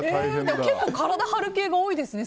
結構体張る系が多いですね。